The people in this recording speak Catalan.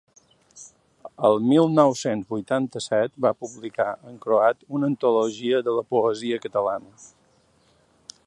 El mil nou-cents vuitanta-set va publicar en croat una antologia de la poesia catalana.